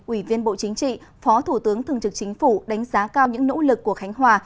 ủy viên bộ chính trị phó thủ tướng thường trực chính phủ đánh giá cao những nỗ lực của khánh hòa